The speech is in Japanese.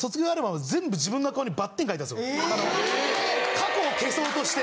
過去を消そうとして。